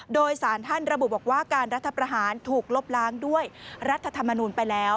โดยสารท่านระบุบอกว่าการรัฐประหารถูกลบล้างด้วยรัฐธรรมนูลไปแล้ว